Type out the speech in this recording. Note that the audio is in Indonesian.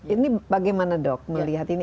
ini bagaimana dok melihat ini